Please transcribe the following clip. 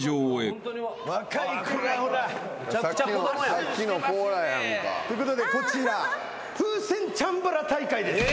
さっきの子らやんか。ということでこちら風船チャンバラ大会です。